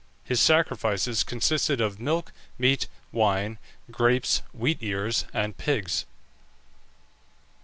His sacrifices consisted of milk, meat, wine, grapes, wheat ears, and pigs.